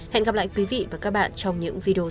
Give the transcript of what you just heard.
hẹn gặp lại quý vị và các bạn trong những video